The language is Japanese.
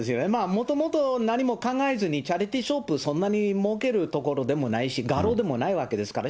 もともと、何も考えずに、チャリティーショップ、そんなに儲ける所でもないし、画廊でもないわけですから、